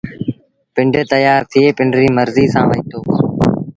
پنڊ تيآر ٿئي پنڊريٚ مرزيٚ سآݩٚ وهيٚتو